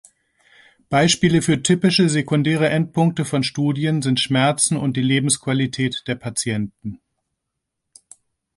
Beispiele für typische sekundäre Endpunkte von Studien sind Schmerzen und die Lebensqualität der Patienten.